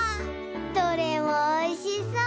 どれもおいしそう！